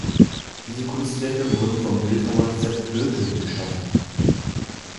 Diese Kunstwerke wurden vom Bildhauer Sepp Hürten geschaffen.